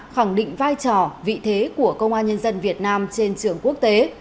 khẳng định vai trò vị thế của công an nhân dân việt nam trên trường quốc tế